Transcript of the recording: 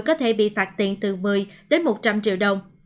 có thể bị phạt tiền từ một mươi đến một trăm linh triệu đồng